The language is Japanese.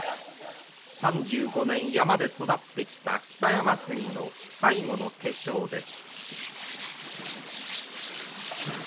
３５年山で育ってきた北山杉の最後の化粧です。